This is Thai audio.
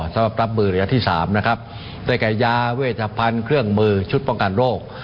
สำหรับรับบือระยะที่๓ได้กับยาเวชภัณฑ์เครื่องมือชุดป้องกันโรค